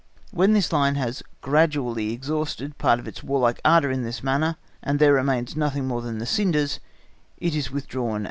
When this line has gradually exhausted part of its warlike ardour in this manner and there remains nothing more than the cinders, it is withdrawn(*) and replaced by another.